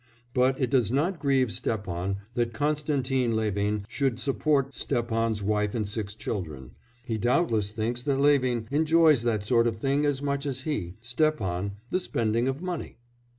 But it does not grieve Stepan that Konstantin Levin should support Stepan's wife and six children; he doubtless thinks that Levin enjoys that sort of thing as much as he Stepan the spending of money.